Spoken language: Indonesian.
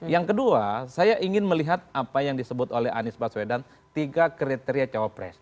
yang kedua saya ingin melihat apa yang disebut oleh anies baswedan tiga kriteria cawapres